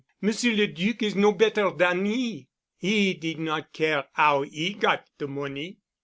"Monsieur le Duc is no better dan he. He did not care 'ow 'e got de money."